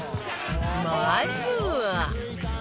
まずは